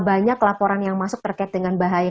banyak laporan yang masuk terkait dengan bahaya